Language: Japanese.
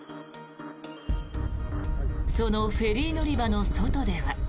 そのフェリー乗り場の外では。